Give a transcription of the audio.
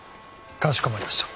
かしこまりました。